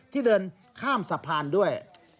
เดินข้ามสะพานด้วย